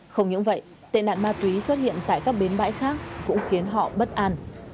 không những vậy tệ nạn ma túy xuất hiện tại các bến bãi khác cũng khiến họ bất an